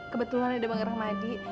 kebetulan ada bang ramadi